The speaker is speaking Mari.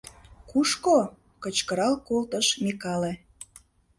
— Кушко? — кычкырал колтыш Микале.